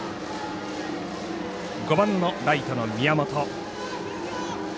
５番のライトの宮本。